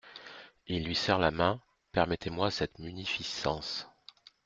Il lui serre la main. permettez-moi cette munificence.